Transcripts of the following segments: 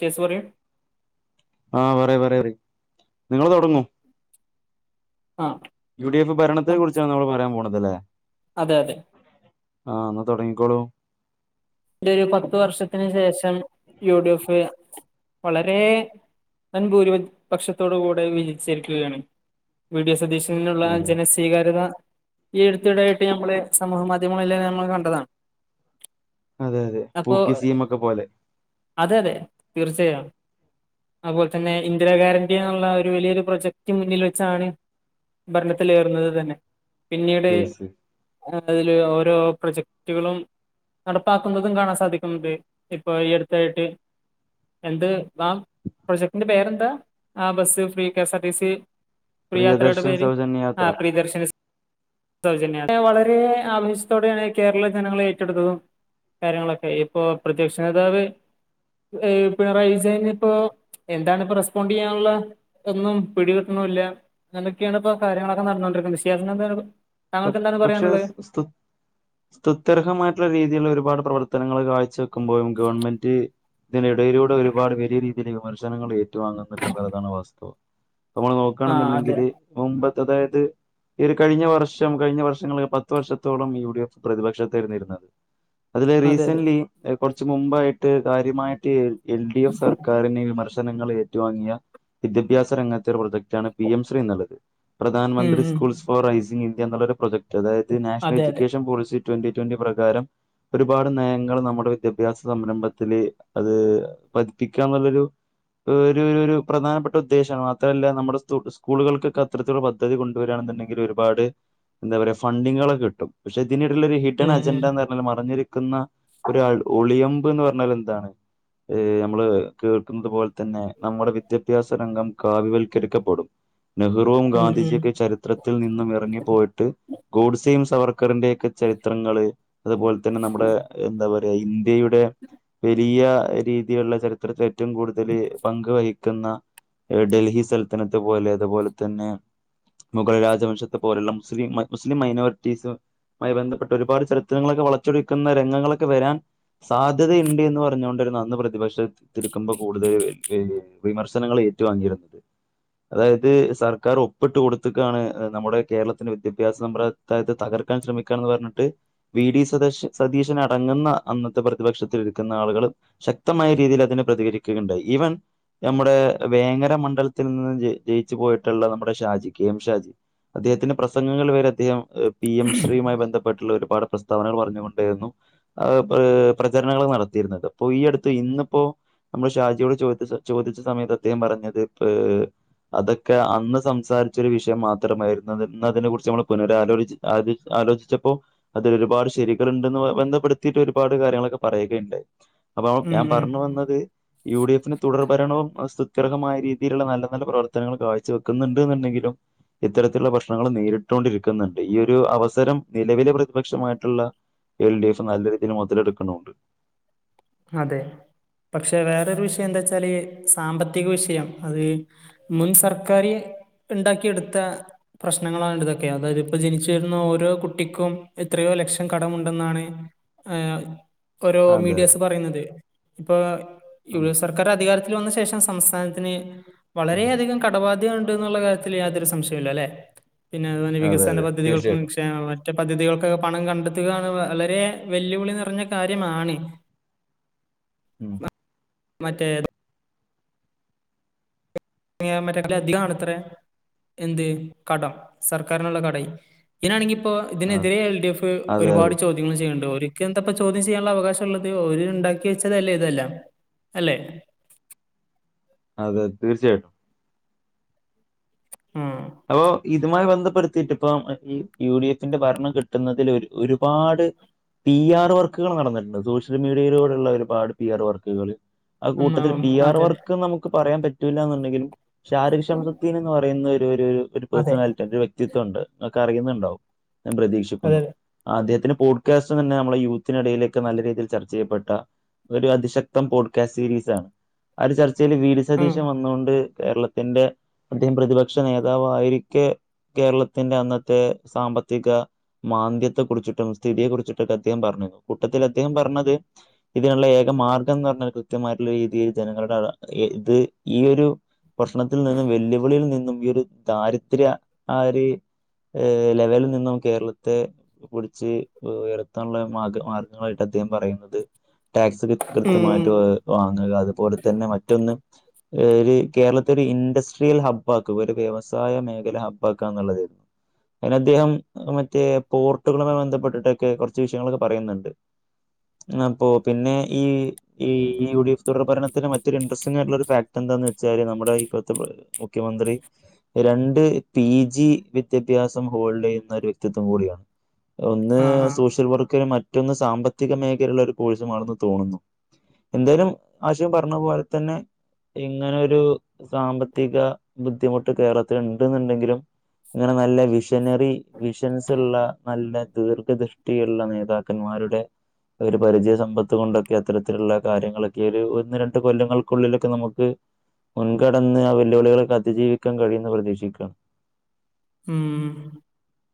കേസ്സു പറയൂ ആ പറയ്പറയ്പറയ് നിങ്ങളു തൊടങ്ങൂ ആ യുഡിഎഫ് ഭരണതെക്കുറിച്ചാണ് നമ്മള് പറയാൻ പോണത് ഇല്ലേ അതേഅതേ ആ അന്നാ തൊടങ്ങിച്ചോളൂ ഇവിടൊരു പത്തു വർഷത്തിനു ശേഷം യുഡിഎഫ് വളരേ വൻഭൂരി പക്ഷത്തോടുകൂടെയും വിജയിച്ചിരിക്കയാണ് വി ഡി സതീശൻ പിന്നുള്ളാ അതെ ജനസ്വീകാര്യത ഈ അടുത്തിടെയാട്ട് ഞമ്മള് സമൂഹമാധ്യമങ്ങ ആഅതേ അതേ പൂക്കി സീഎമ്മൊക്കെ പോലെ അതെഅതേ തീർച്ചായം അത്പോൽത്തന്നെ ഇന്ദിരാഗ്യാരൻ്റിയെന്നൊള്ള ആ ഒരു വലിയൊരു പ്രൊജക്ടും മുന്നിൽ വച്ചാണ് ഭരണത്തിലേറുന്നതുത്തന്നെ പിന്നീട് യെസ് ണ്ട് ണ്ട് അതില് ഓരോ പ്രൊജക്ടുകളും നടപ് പാക്കുന്നതും കാണാസാധിക്കുന്ന്ണ്ട് ഇപ്പൊ ഈ അടുത്തായിട്ട് എന്ത് ഗാ പ്രൊജക്ടിൻ്റെ പേരെന്താ ആ ബെസ്സ് ഫ്രീ കേസാർടീസി പ്രിയദർശിനി സ്യൗജന്യയാത്ര സൗജന്യാ [unintelligible] വളരേ ആവേശ്ത്തോടെയാണ് കേര ളജനങ്ങള് ഏറ്റെടുത്തതും കാര്യങ്ങളൊക്കെ ഇപ്പോ പ്രത്യക്ഷനേതാവ് ഏയീ പിണറായി വിജയ്നിപ്പോ എന്താണ്പ്പോ റെസ്പോണ്ടിയ്യാനുള്ളെ ഒന്നും പിടികിട്ട്ണുവില്ല എന്നൊക്കെയാണിപൊ കാര്യങ്ങളൊക്കെ നടന്നുകൊണ്ടിയിക്കുന്നത്ശ്ശേ അതിനാത്ത് [unintelligible] പക്ഷേ സ്തുത് സുത്യർഹമായിട്ടൊള്ള രീതികള് വരും പാട് പ്രവർത്തനങ്ങള് കാഴ്ച ക്ക്മ്പോഴും ഗവൺമെൻ്റ് ഇതിനിടയിലൂടെ ഒരുപാട് വലിയ രീതിയിൽ വിമർ ജനങ്ങൾ ഏറ്റുവാങ്ങുന്നുണ്ടെന്നുള്ളതാണ് വാസ്‌തവം. ഇപ്പ നമ്മള് ആ നോക്കുവാനാണ് അതെ ഉണ്ടെങ്കില് മുമ്പതെ - അതായത് ഈ ഒരു കഴിഞ്ഞ വർഷ്- ഏറ്റവും കഴിഞ്ഞ വർഷങ്ങളിൽ പത്ത് വർഷത്തോളം യു ഡി എഫ് പ്രതിപക്ഷതായിരുന്നു ഇരുന്നത് അതില് അതെ അതെ റീസെൻ്റ്ലി- കൊറച്ച് മുമ്പ് ആയിട്ട് കാര്യമായിട്ട് എൽ ഡി എഫ്‌ സർക്കാരിനെ വിമർശി ദ്ദനങ്ങൾ ഏറ്റ് വാങ്ങിയ വിദ്യാഭ്യാസ രംഗത്തെ ഒരു പ്രദഗ് റ്റാണ് പി എം ശ്രീ എന്നുള്ളത് ഉം പ്രധാനമന്ത്രി ഉം സ്‌കൂൾസ് ഫോർ ഐ സിംഗ് എന്നുള്ളൊരു പ്രൊജക് അതായത് നാഷണൽ അതെ അതെ എജ്യുക്കേഷൻ പോളിസി റ്റ്വൻ്റി റ്റ്വൻ്റി പ്രകാരം ഒരുപാട് നയങ്ങള് നമ്മുടെ വിദ്യാഭ്യാസ സംരംഭത്തില് അത് പതിപ്പിക്ക എന്നുള്ളൊരു ഒര് ഒര് ഒരു പ്രധാനപ്പെട്ട ഉദ്ദേശയാണ് മാത്രല്ല നമ്മുടെ സ്‌കൂളുകൾക്കൊക്കെ അത്തരത്തിലുള്ള പദ്ധതികൾ കൊണ്ടു വരുവാണുന്നുണ്ടെങ്കി ഒരുപാട്- എന്താ പറയ ഫണ്ടിങ്ങുകളൊക്കെ കിട്ടും ഇതിനിടെല് ഒരു ഹിഡൻ ഉം ഉം അജെൻഡാന്ന് പറഞ്ഞാല് മറഞ്ഞിരി ക്കുന്ന ഒരു ഒളിയമ്പ്ന്ന് പറഞ്ഞതെന്താണ് ഏ നമ്മള് കേൾക്കുന്നത് പോലെ തന്നെ നമ്മുടെ വിദ്യാഭ്യാസ രംഗം കാവിവൽക്കരിക്കപ്പെടും നെഹ്‌റുവും ഉം ഉം ഗാന്ധിജിയൊക്കെ ചരിത്രത്തിൽ നിന്നും എറങ്ങി- ട്ട് ഗോഡ്സേയും സവർക്കറിൻ്റെയൊക്കെ ചരിത്രങ്ങള്- അത് പോലെ തന്നെ നമ്മടെ എന്താ പറ ടൈം ന്ത്യയുടെ വലിയ രീതിയുള്ള ചരിത്രത്തിലേറ്റവും കൂടുതല് പങ്ക് വഹിക്കുന്ന ഡൽഹി സൽതനത്തെ പോലെ അത് പോലെ തന്നെ മുഗൾ രാജവംശത്തെ പോലുള്ള മുസ്‌ലിം മുസ്‌ലിം മൈനോറിറ്റിസുമായി ബന്ധപ്പെട്ട് ഒരുപാട് ചരിത്രങ്ങളൊക്കെ വളച്ചൊടിക്കുന്ന രംഗങ്ങളൊക്കെ വരാൻ സാധ്യതയ്ണ്ട് എന്ന് പറഞ്ഞോണ്ട് ഒര് ഇന്ന് പ്രതിപക്ഷത്തിരിക്കുമ്പൊ കൂടുതൽ വി വിമർശനങ്ങളേറ്റ് വാങ്ങിയവർക്ക് അതായത് സർക്കാർ ഒപ്പിട്ട് കൊടുത്ത്ക്കാണ് നമ്മുടെ കേരളത്തിൻ്റെ വിദ്യാഭ്യാസ സമ്പ്രദായത്തെ തകർക്കാൻ ശ്രമിക്കാണ്ന്ന് പറഞ്ഞിട്ട് വി ഡി സതേഷ സതീഷനടങ്ങ്ന്ന അന്നത്തെ പ്രതിപക്ഷത്തിരിക്കുന്ന ആളുകളും ശക്തമായ രീതിയിൽ അതിനെ പ്രതികരിക്കുകയുണ്ടായി ഈവൻ നമ്മുടെ വേങ്ങര മണ്ടലത്തി നിന്ന് ജയിച്ച് പോയിട്ട്ള്ള നമ്മുടെ ഷാജിക്കയും ഷാജി അദ്ദേഹത്തിൻ്റെ പ്രസംഗങ്ങൾ വരെ അദ്ദേഹം പി എം ശ്രീയുമായി ബന്ധപ്പെട്ട് ള്ള ഒരു പാട് പ്രസ്താവനകൾ പറഞ്ഞ് കൊണ്ടേരുന്നു അഅ് പ്രചരണങ്ങൾ നടത്തിയിരുന്നത്. ഈയടുത്ത് ഇന്ന് നമ്മള് ഷാജിയോട് ചോദിച്ച് ചോദിച്ച സമയത്ത് അദ്ദേഹം പറഞ്ഞത് അതക്കെഅന്ന് സംസാരിച്ച ഒരു വിഷയം മാത്രമായിര് ഇന്നത് ഇന്നതിനെ കുറിച്ച് ഞമ്മള് പുനരാലോയ്ച് ആലോയ് ആലോചിച്ചപ്പൊ അതിലൊരുപാട് ശരികള്ണ്ടന്ന് ബന്ധപ്പെടുത്തിയിട്ട് ഒരുപാട് കാര്യങ്ങളൊക്കെ പറയുകയുണ്ടായി അപ്പൊ ഉം ഞാൻ പറഞ്ഞ് ഉം വന്നത് യു ഡി എഫ് ന് തുടർ ഭരണവും ആ സുദ്ഘ രകമായ രീതിയിലുള്ള നല്ല നല്ല പ്രവർ ത്തനങ്ങൾ കാഴ്ച വെക്ക്ന്ന്ണ്ട്ന്ന്ണ്ടെങ്കിലും ഇത്തര ത്തില്ള്ള പ്രശ്നങ്ങളും നേരിട്ടോണ്ടിരിക്ക്ന്ന്ണ്ട് ഈയൊരു അവസരം നിലവിലെ പ്രതിപക്ഷമായിട്ട്ള്ള എൽ ഡി എഫ് നല്ല രീതിയിൽ മുതലെടുക്ക് ണുണ്ട് അതെ പക്ഷേ വേറൊരു വിഷയം എന്താച്ചാല് സാമ്പത്തിക വിഷയം അത് മുൻ സർക്കാര് ഇണ്ടാക്കിയെടുത്ത പ്രശ്നങ്ങളാണിതൊക്കെ അതായത് ഇപ്പൊ ജനിച്ച് വരുന്ന ഓരോ കുട്ടിക്കും എത്രയോ ലക്ഷം കടമുണ്ടെന്നാണ് ഓരോ അതെ അതെ മീഡിയസും ഇപ്പോ യു ഡി അതെ എഫ് സർക്കാർ അധികാരത്തിൽ വന്ന ശേഷം സംസ്ഥാനത്തിന് വളരെയധികം കടബാധ്യതണ് ന്ന്ള്ള കാര്യത്തിൽ യാതൊരു സംശയുല്ലലേ പിന്നെ അതുതന്നെ അതെ വികസന അതെ പദ്ധതികൾക്കും തീർച്ചയായിട്ടും ക്ഷേമ മറ്റെ പദ്ധതികൾക്കൊക്കെ പണം കണ്ടെത്തുക വളരെ വെല്ലുവിളി നിറഞ്ഞ കാര്യമാണ് ഉം മറ്റേ [unintelligible] അധികാണത്രേ എന്ത് കടം സർക്കാരിന്ള്ള കടെയ് ഇനാണെങ്കി ഇപ്പോ അതെ ഇതിനെതിരെ എൽ ഡി എഫ് അതെ ഒരുപാട് അതെ ചോദ്യങ്ങൾ ചെയ്യണ് ണ്ട് ഓരേ ഒരിക്ക എന്തപ്പ ചോദ്യം ചെയ്യാൻള്ള അവകാശം ഉള്ളത് ഓര് ണ്ടാക്കി വെച്ചതല്ലേ ഇതെല്ലാം അല്ലേ അതെ തീർച്ചയായിട്ടും ആഹ അവൊ ഇതുമായി ബന്ധപ്പെടുത്തിട്ട് ഇപ്പം ഈ യു ഡി എഫിന്റെ ഭരണം കിട്ടുന്നതിൽ ഒരു ഒരുപാട് പി ആർ വർക്കുകൾ നടന്നിട്ട്ണ്ട് സോഷ്യൽ മീഡിയയിലൂടെ ഉള്ള ഒരുപാട് പി ആർ വർക്കുകള് ആ അമ്മ കൂട്ടത്തിൽ പി ആർ അതെ അതെ വർക്ക് നമുക്ക് പറയാൻ പറ്റൂല്ല ന്നുണ്ടെങ്കിലും ശാരിക്ഷംസത്തീൻ ന്ന് പറയുന്നത് [unintelligible] ഒരു അതെ പേഴസണാലിറ്റി അത് വ്യക്തിത്വം ഉണ്ട് അഎക്കെ അറിയുന്നുണ്ടാവും ഞാൻ അതെ അതെ പ്രതീക്ഷിക്കുന്നു ആദ്യത്തിനും ഊഡ്കാസനന്നെ അമ്മളെ യൂത്തിടയിലൊക്കെ നല്ല രീതിയിൽ ചർച്ച ചെയ്യപ്പെട്ട ഒരു അതിശക്തം പോഡ്കാസ്റ്റ് സീരീസ് ആണ് അതില് ചർ ഇല്‌ വീ ഡി ഉം സതീശൻ വന്നോണ്ട് കേരളത്തിന്റെ അതി [unintelligible] പ്രതിപക് ക്ഷ നേതാവായിരിക്കെ കേരളത്തിന്റെ അന്നത്തെ സാമ്പത്തിക മാന്ദ്യത്തെ കുറിച്ചിട്ടും സ്ഥിതിയെ കുറിച്ചിട്ട് ഒക്കെ അദ്ദേഹം പറഞ്ഞിരുന്നു കൂട്ടത്തിൽ അദ്ദേഹം പറഞ്ഞത് ഇതിന്ള്ള ഏക മാർഗ്ഗം എന്ന് പറഞ്ഞാൽ കൃത്യമായിട്ടുള്ള രീതിയിൽ ജനങ്ങളുടെ അ ഇത് ഈ ഒരു പ്രശ്നത്തിൽ നിന്നും വെല്ലുവിളിയിൽ നിന്നും ഈ ഒരു ദാരിദ്ര്യ ആര് ലെവലിൽ നിന്നും കേരളത്തെ പിട്ച്ച് ഉയർത്താൻള്ള മാർഗ മാർഗ്ഗമായിട്ട് അദ്ദേഹം പറയുന്നത് ടാക്സ്ൽ ഉം ഉം. കൃത്യമായിട്ട് വാങ്ങ്ക അതുപോലെ തന്നെ മറ്റൊന്ന് ഒരു കേരളത്തെ ഇൻഡസ്ട്രിയൽ ഹബ്ബ ഒരു വ്യവസായ മേഖല ഹബ്ബക്കാ ന്നുള്ളത്‌ അയ്നദ്ദേഹം മറ്റേ പോർട്ടുകളെ ബന്ധപ്പെട്ടിട്ടൊക്കെ കുറച്ച് വിഷയങ്ങളൊക്കെ പറയുന്നുണ്ട് അപ്പോ പിന്നെ ഈ യു ഡി എഫ് തു ടർഭരണത്തിന് മറ്റൊരു ഇൻട്രസ്റ്റിംഗായിട്ട്ള്ള ഒരു ഫാക്ട് എന്താന്ന് വെച്ചാല് നമ്മുടെ ഇ കൊൽത്തെ മുഖ്യമന്ത്രി രണ്ട് ത്തി ജി വിദ്യാഭ്യാസം ഹോൾടെയുന്ന ഒരു വ്യക്തിത്വം കൂടിയാണ് ഒന്ന് ആ ആ സോഷ്യൽ വർക്കിന് മറ്റ് ഇന്ന് സാമ്പത്തിക മേഖലയില്ള്ള ഒരു കോഴ്സ് മാറും ന്ന് തോണുന്നു എന്തേലും ഹാഷിം പറഞ്ഞപോലെ തന്നെ ഇങ്ങനരു സാമ്പത്തിക ബു ദ്ധിമുട്ട് കേരളത്തിൽ ണ്ട്ന്ന് ണ്ടങ്കിലും അങ്ങനെ നല്ല വിശദ ജനറി വിഷൻസ് ള്ള നല്ല ദീർഘദൃഷ്ടിയുള്ള നേതാക്കന്മാരുടെ ഒരു പരിചയസമ്പത്ത് കൊണ്ടൊക്കെ അത്തരത്തിലുള്ള കാര്യങ്ങളെക്കെ [unintelligible] ഒരു ഒന്നു രണ്ടു കൊല്ലങ്ങൾക്കുള്ളിലൊക്കെ നമുക്ക് മുൻകടന്ന് ആ വെല്ലുവിളികളൊക്ക അതിജീവി ക്കാൻ കഴിയുമെന്ന് പ്രതീക്ഷിക്കാം ഉം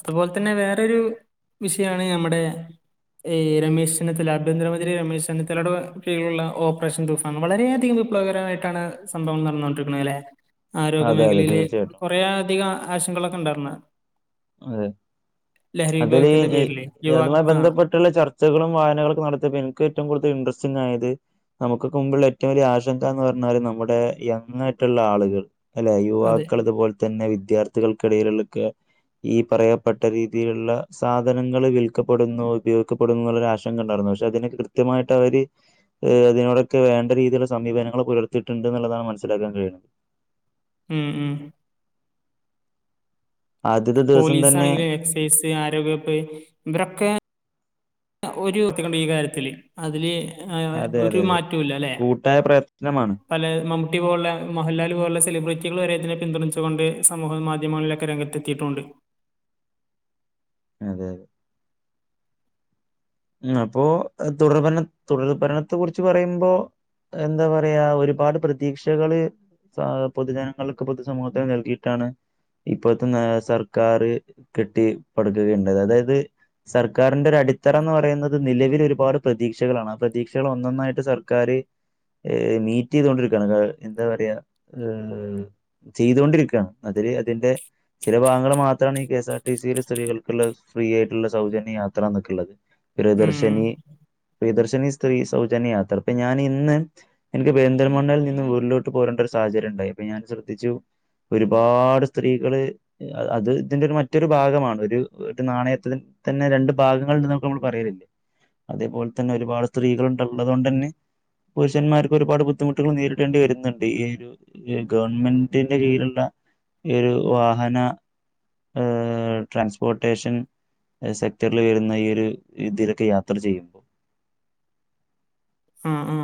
അതുപോലെ തന്നെ വേറൊരു വിഷയാണ് ഞമ്മടെ ഈ രമേശ്‌ ചെന്നിത്തല ആഭ്യന്തരമന്ത്രി രമേശ്‌ ചെന്നിത്തലയുടെ കീഴിലുള്ള ഓപ്പറേഷൻ തുഫാൻ വളരെയധികം വിപ്ലവകരമായിട്ടാണ് സംഭവം നടന്നോണ്ടിരിക്കണേ ലേ അതെ അതെ ആരോഗ്യമേഖലയില് തീർച്ചയായിട്ടും കുറെയധികം ആശങ്കളൊക്ക ണ്ടായിരുന്നേ അതെ അതില് ഉപയോഗത്തിന്റെ പേരില് യുവാ അതുമായി ആ ബന്ധപ്പെട്ടുള്ള ചർച്ചകളും വായനകളൊക്കെ നടത്തിയപ്പോ എനിക്ക് ഏറ്റവും കൂടുത ഇൻട്രസ്റ്റിംഗ ആയത് നമുക്ക് മുമ്പുള്ള ഏറ്റവും വലിയ ആശ അല്ലെ അതെ യുവാക്കൾ അതുപോലെ തന്നെ വിദ്യാർത്ഥികൾക്കിടയിലൊക്കെ ഈ പറയപ്പെട്ട രീതിയിലുള്ള സാധനങ്ങൾ വിൽക്കപ്പെടുന്നു ഉപയോഗിക്കപ്പെടുന്നു എന്നുള്ള ഒരു ആശങ്ക ഉണ്ടായിരുന്നു പക്ഷെ അതിനൊക്കെ കൃത്യമായിട്ട് അവര് അതിനോടൊക്കെ വേണ്ട രീതിയിലുള്ള സമീപനങ്ങൾ പുലർത്തിയിട്ടുണ്ട് എന്നുള്ളതാണ് മനസ്സിലാക്കാൻ കഴിയുന്നത് ഉം ഉം ആദ്യത്തെ ദിവസം തന്നെ പോലീസാണെങ്കില് എക്സൈസ്, ആരോഗ്യവകുപ്പ് ഇവരൊക്കെ ഒരു വത്തിക്കണ്ട് ഈ കാര്യത്തില് അതില് ആ അതെ ഒരു അതെ അതെ മാറ്റവുമില്ല അല്ലേ കൂട്ടായ പ്രയത്നമാണ് പല മമ്മൂ ട്ടി പോലുള്ള മോഹൻലാൽ പോലുള്ള സെലിബ്രിറ്റികൾ വരെ ഇതിനെ പിന്തുണച്ചുകൊണ്ട് സമൂഹ മാധ്യമങ്ങളിലൊക്കെ രംഗത്ത് എത്തിയിട്ടുണ്ട് അതെ അതെ അപ്പോ തുടർഭര തുടർഭരണത്തെ കുറിച്ച് പറയുമ്പോ എന്താ പറയാ ഒരുപാട് പ്രതീക്ഷകള് പൊതുജനങ്ങൾക്ക് പൊതു സമൂഹത്തിന് നൽകിയിട്ടാണ് ഇപ്പോഴത്തെ സർക്കാർ കെട്ടി പടുക്കുക ഉണ്ടായത് അതായത് സർക്കാരിന്റെ ഒരു അടിത്ത ട്ടെന്ന് പറയുന്നത് നിലവിൽ ഒരുപാട് പ്രതീക്ഷകളാണ് ആ പ്രതീക്ഷകൾ ഒന്നൊന്നായിട്ട് സർക്കാര് മീറ്റ് ചെയ്തോണ്ടിരിക്കുകയാണ് എന്താ പറയ ചെയ്തൊണ്ടിരിക്കുകയാണ് അതില് അതിന്റെ ചില ഭാഗങ്ങൾ മാത്രമാണ് ഈ കെഎസ് ആർ ടി സിയില് സ്ത്രീകൾക്കുള്ള ഫ്രീ ആയിട്ടുള്ള സൗജന്യ യാത്രാന്നെക്കെയുള്ളത് ഉം പ്രിയദർശിനി പ്രിയദർശനി സ്ത്രീ സൗജന്യ യാത്ര അപ്പൊ ഞാൻ ഇന്ന് എനിക്ക് പെരുന്തൽമണ്ണയിൽ നിന്ന് വീട്ടിലോട്ട് പോരേണ്ട ഒരു സാഹചര്യം ഉണ്ടായി അപ്പൊ ഞാൻ ശ്രദ്ധിച്ചു ഒരുപാട് സ്ത്രീകള് അത് ഇതിന്റെ ഒരു മറ്റൊരു ഭാഗമാണ് ഒരു നാണയത്തിൽ തന്നെ രണ്ട് ഭാഗങ്ങൾ ഉണ്ടെന്ന് നമ്മള് പറയലില്ലേ അതേപോലെ തന്നെ ഒരുപാട് സ്ത്രീകളുള്ളത് കൊണ്ട് തന്നെ പുരുഷന്മാർക്ക് ഒരുപാട് ബുദ്ധിമുട്ടുകൾ നേരിടേണ്ടി വരുന്നുണ്ട് ഈ ഒരു ഗവൺമെന്റിന്റെ കീഴിലുള്ള ഈ ഒരു വാഹന ട്രാൻസ്പോർട്ടേഷൻ സെക്ടറിൽ വരുന്ന ഈ ഒരു ഇതിലൊക്കെ യാത്ര ചെയ്യുമ്പോ ആ ആ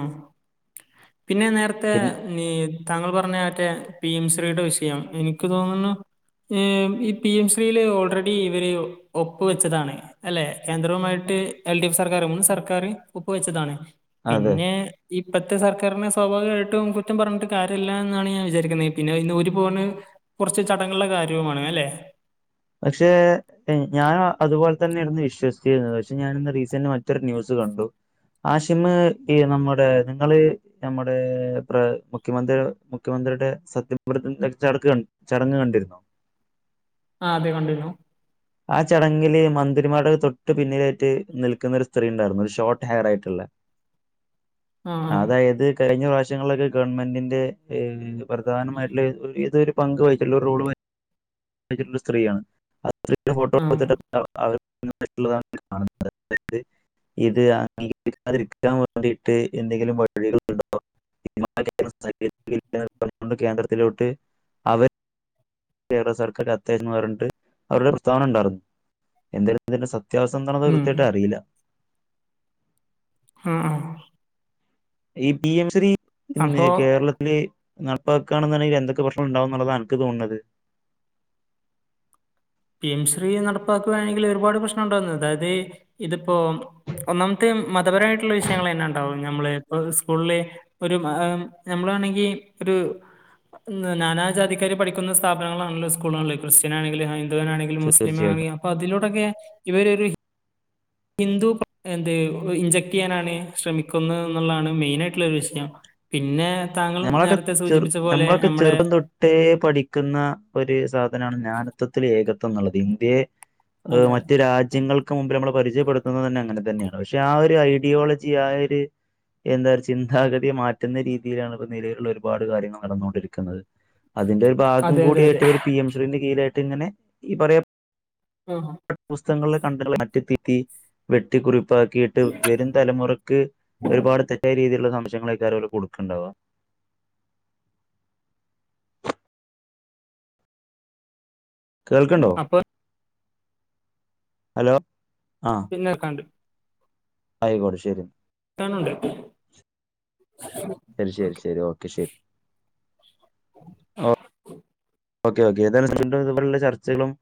പിന്നെ നേരത്തെ പിന്നെ നീ താങ്കൾ പറഞ്ഞ മറ്റേ പി എം ശ്രീയുടെ വിഷയം എനിക്ക് തോന്നുന്നു ഈ പി എം ശ്രീയില് ഓൾറെഡി ഇവര് ഒപ്പ് വെച്ചതാണ് അല്ലേ കേന്ദ്രവുമായിട്ട് എൽ ഡി എഫ് സർക്കാർ മുൻ സർക്കാര് ഒപ്പ് വെച്ചതാണ് അതെ പിന്നെ ഈ ഇപ്പോഴത്തെ സർക്കാരിനെ സ്വാഭാവികമായിട്ടും കുറ്റം പറഞ്ഞിട്ട് കാര്യവില്ല എന്നാണ് ഞാൻ വിചാരിക്കുന്നത് പിന്നെ ഇതിനു ഊരി പോകുന്നത് കുറച്ച് ചടങ്ങുകളുടെ കാര്യവുമാണ് അല്ലേ പക്ഷേ ഏ ഞാൻ അതുപോലെ തന്നെയായിരുന്നു വിശ്വസിച്ചരുന്നത് പക്ഷെ ഞാനിന്ന് റീസെറ് മറ്റൊരു ന്യൂസ് കണ്ടു ആശ്യമ്മ ഈ നമ്മുടെ നിങ്ങള് നമ്മുടെ പ്ര മുഖ്യമന്ത്രി മുഖ്യമന്ത്രിയുടെ സത്യ പ്രേതിജ്ഞ ചടക് ചടങ്ങ് കണ്ടിരുന്നോ ആ അതെ കണ്ടിരുന്നു ആ ചടങ്ങില് മന്ത്രിമാരു തൊട്ട് പിന്നിലായിട്ട് നിൽക്കുന്ന ഒരു സ്ത്രീ ഉണ്ടായിരുന്നു ഒരു ഷോർട്ട് ഹെയർ ആയിട്ടുള്ള ആഹ് അതായത് കഴിഞ്ഞ പ്രാവശ്യം ശങ്ങളൊരൂ ഗവൺമെന്റിന്റെ ഏ പ്രധാനമായിട്ടുള്ള ഇതരു പങ്ക് വഹിച്ച് റൂള് വാഹിച്ച് എജുള്ള സ്ത്രീയാണ് ച്ച്ന്റെ ആഹ് ഫോട്ടോസൊക്കെ എടുത്തണ് അവർ [unintelligible] കാണുന്നത് അതായത് ഇത് അംഗീകരിക്കാതിരിക്കാൻ വേണ്ടിയിട്ട് എന്തെങ്കിലും വഴികൾ ഉണ്ടോ [unintelligible] കേന്ദ്രത്തിലോട്ട് അവർ കേരള സർക്കാർ അത്യാൻമാർ ഉണ്ട് അവരുടെ പ്രസ്താവന ഉണ്ടായിരുന്നു എന്തായാലും ഇതിന്റെ സ ത്യാവ്സ്ഥ എന്തണത് ഉം കൃത്യയിട്ട് അറിയില്ല ആ ആ ഈ പി എം ശ്രീ ഇന്ന് അപ്പോ കേരളത്തിലെ നടപ്പ കണെന്നുണ്ടെങ്കിൽ എന്തൊക്കെ പ്രശ്നംഉണ്ടാവുന്നുള്ളതാണ് അനക്ക് തോന്നത് പിം ശ്രീ നടപ്പാക്കുകയാണെങ്കിൽ ഒരുപാട് പ്രശ്നം ഉണ്ടാകുന്നത് അതായത് ഇത് അപ്പോ ഒന്നാമത്തെ മതപരമായിട്ടുള്ള വിഷയങ്ങൾ തന്നെ ഉണ്ടാവോ നമ്മള ഇപ്പോ സ്കൂളെ ഒരു നമ്മളാണെങ്കിൽ ഒരു നാനാജാതിക്കാർ പഠിക്കുന്ന സ്ഥാപനങ്ങളാണല്ലോ സ്കൂളണല്ലോ ക്രിസ്ത്യൻ ആണെങ്കില [unintelligible] തീർച്ചയായിട്ടും. മുത്സിമാണെങ്കിലും അപ്പൊ [unintelligible] ഇവരൊരു ഹിന്ദു [unintelligible] ഇൻജക്ട് ചെയ്യാനാണ് ശ്രമിക്കുന്നെന്നൊളളയാണ് മെയിനായിട്ടുള്ളെയൊരു വിഷയം പിന്നെ താങ്കൾ നമ്മളൊക്കെ നേരത്തെ ചെറു സൂചിപ്പിച്ച പോലെ നമ്മളൊക്കെ നമ്മുടെ ചെറുപ്പം തൊട്ടേ പഠിക്കുന്ന ഒരു സാധനാണ് നാനത്വത്തിൽ ഏകത്വംന്നുളളത് ഇന്ത്യയെ ഏ അതെ മറ്റു രാജ്യങ്ങൾക്കു മുമ്പിൽ നമ്മളു പരിചയപ്പെടുത്തുന്നതു തന്നെ അങ്ങനെ തന്നെയാണ് പക്ഷെ ആ ഒരു ഐഡി ഡിയോളജിയായൊരു എന്നൊരു ചിന്താഗതി മാറ്റുന്ന രീതിയിൽ ആണ് ഇപ്പൊ നിലവിലൊളള ഒരുപാടു കാര്യങ്ങൾ നടന്നു കൊണ്ടിരിക്കുന്നത് അതിന്റെയൊരു ഭാഗം അതെ അതെ അതെ കൂടിയായിട്ടി വര് പി എം ശ്രി ന്റെ കീഴില് ന്നിട്ടിങ്ങനെ [unintelligible] [unintelligible] [unintelligible] പ്പാക്കിയിട്ട് വെരും തലമുറക്ക് ഒരുപാട് തെറ്റായ രീതിയിലൊളള ന്ദേശങ്ങളാരിക്കും ഓല് കൊടുക്കണ്ടാവ കേൾക്ക്‌ണ്ടോ അപ്പൊ ഹലോ ആഹ് [unintelligible] ആയിക്കോട്ടെ ശെരി [unintelligible] ശെരി ശെരി ശെരി ഓക്കെ ശെരി ഓക്കെ ഓക്കെ [unintelligible] ഇതുപോലുളള ചർച്ചകളും